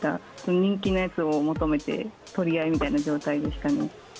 人気のやつを求めて、取り合いみたいな状態でしたね。